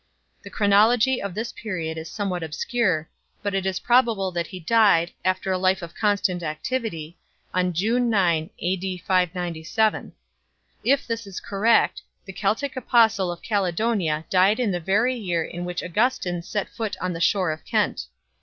The chronology of this period is somewhat obscure, but it is probable that he died, after a life of constant activity, on June 9, A.D. 597. If this is correct, the Keltic apostle of Caledonia died in the very year in which Augustin set foot on the shore of Kent.